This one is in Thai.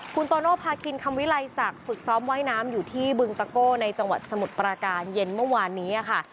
คุณโตโน่พาคินคำวิลัยศักดิ์ฝึกซ้อมว่ายน้ำอยู่ที่บึงตะโก้ในจังหวัดสมุทรปราการเย็นเมื่อวานนี้ค่ะ